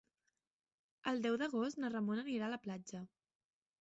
El deu d'agost na Ramona anirà a la platja.